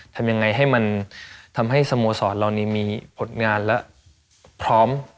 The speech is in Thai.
ทำยังไงให้มันทำให้สโมสรเหล่านี้มีผลงานและพร้อม